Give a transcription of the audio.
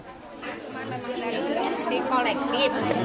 saya cuma memang dari itu ingin di kolektif